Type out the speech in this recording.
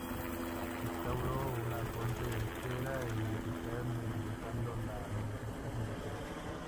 Instauró una corte austera y eficaz, centralizando la administración financiera.